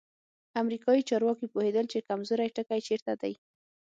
امریکایي چارواکي پوهېدل چې کمزوری ټکی چیرته دی.